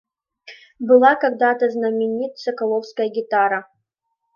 Был когда-то знаменитСоколовская гитара